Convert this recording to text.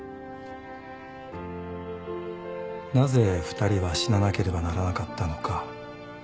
なぜ２人は死ななければならなかったのか。